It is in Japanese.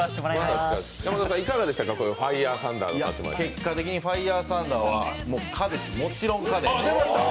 結果的にファイヤーサンダーはもちろん可です。